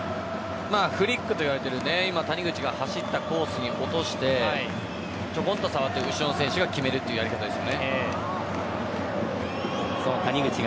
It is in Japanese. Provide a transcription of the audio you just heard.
フリックといわれている谷口が走ったコースに落としてちょこっと触って後ろの選手が決めるというやり方です。